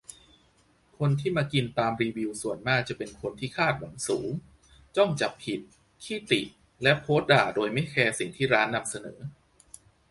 คนที่มากินตามรีวิวส่วนมากจะเป็นคนที่คาดหวังสูง จ้องจับผิด ขี้ติและโพสด่าโดยไม่แคร์สิ่งที่ร้านนำเสนอ